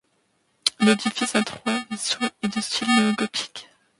L'édifice à trois vaisseaux est de style néo-gothique.